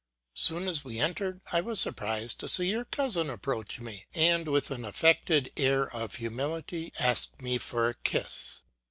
Soon as we entered, I was surprised to see your cousin approach me, and with an affected air of humility ask me for a kiss.